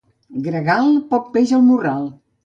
Gregal, poc peix al morral.